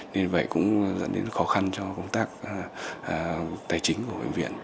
nên vậy cũng dẫn đến khó khăn cho công tác tài chính của bệnh viện